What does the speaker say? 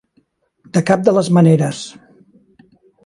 De cap de les maneres!